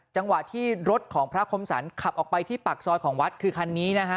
จังหวะที่รถของพระคมสรรขับออกไปที่ปากซอยของวัดคือคันนี้นะฮะ